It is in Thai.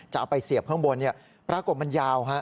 เอาไปเสียบข้างบนปรากฏมันยาว